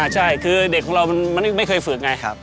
อ่าใช่คือเด็กของเรามันมันไม่เคยฝึกไงครับ